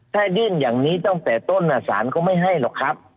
ถ้ายื่นอย่างนี้ตั้งแต่ต้นสารก็ไม่ให้หรอกครับ